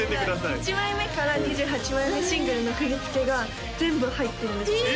１枚目から２８枚目シングルの振り付けが全部入ってるんですえ！？